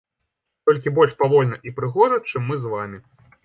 Толькі больш павольна і прыгожа, чым мы з вамі.